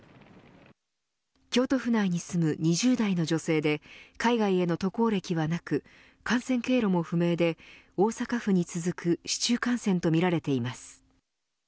京都府内に住む２０代の女性で海外への渡航歴はなく感染経路も不明で大阪府に続く市中感染とみられています。